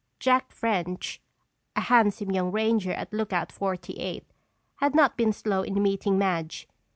Jack French, a handsome young ranger at Lookout 48, had not been slow in meeting Madge.